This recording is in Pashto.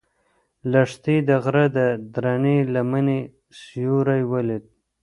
لښتې د غره د درنې لمنې سیوری ولید.